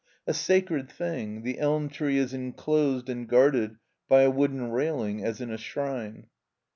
A sacred thing, the elm tree is inclosed and guarded by a wooden railing as in a shrine.